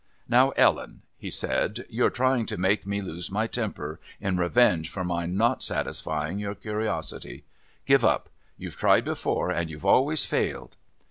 "Now, Ellen," he said, "you're trying to make me lose my temper in revenge for my not satisfying your curiosity; give up. You've tried before and you've always failed."